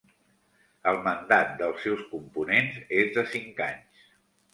El mandat dels seus components és de cinc anys.